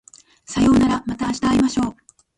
さようならまた明日会いましょう